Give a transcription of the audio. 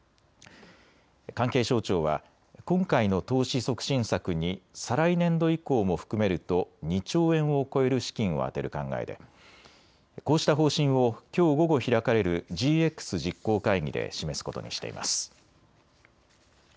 関係省庁は今回の投資促進策に再来年度以降も含めると２兆円を超える資金を充てる考えでこうした方針をきょう午後開かれるＧＸ実行会議で示すことにしています。